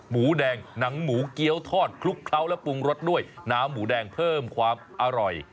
หมูแดงหนังหมูเกี้ยวทอดคลุกเคล้าและปรุงรสด้วยน้ำหมูแดงเพิ่มความอร่อย